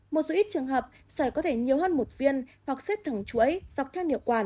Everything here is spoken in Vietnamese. một số ít trường hợp sởi có thể nhiều hơn một viên hoặc xếp thẳng chuỗi dọc theo nhựa quản